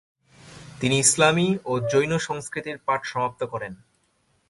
তিনি ইসলামি ও জৈন সংস্কৃতির পাঠ সমাপ্ত করেন।